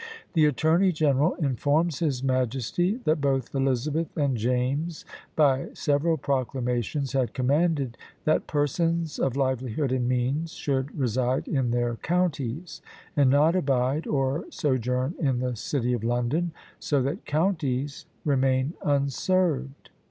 The Attorney General informs his majesty that both Elizabeth and James, by several proclamations, had commanded that "persons of livelihood and means should reside in their counties, and not abide or sojourn in the city of London, so that counties remain unserved."